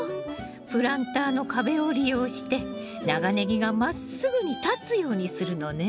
プランターの壁を利用して長ネギがまっすぐに立つようにするのね。